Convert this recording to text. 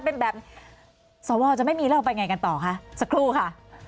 เป็นแบบสวจะไม่มีแล้วไปไงกันต่อคะสักครู่ค่ะ